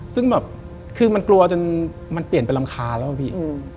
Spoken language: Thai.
ซึ่งแบบคือมันกลัวจนมันเปลี่ยนไปรำคาญแล้วอะพี่